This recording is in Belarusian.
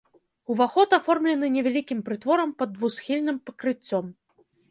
Уваход аформлены невялікім прытворам пад двухсхільным пакрыццём.